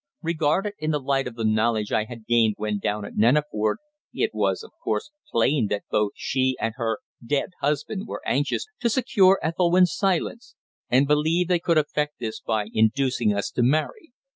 Regarded in the light of the knowledge I had gained when down at Neneford, it was, of course, plain that both she and her "dead" husband were anxious to secure Ethelwynn's silence, and believed they could effect this by inducing us to marry.